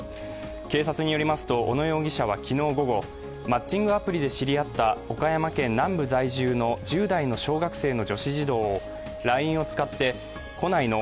警察によりますと小野容疑者は昨日午後、マッチングアプリで知り合った岡山県南部在住の１０代の小学生の女子児童をＬＩＮＥを使って、来ないの？